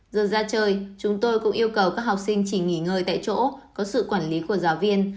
giờ ra chơi chúng tôi cũng yêu cầu các học sinh chỉ nghỉ ngơi tại chỗ có sự quản lý của giáo viên